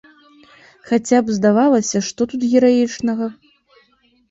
Хаця б, здавалася, што тут гераічнага?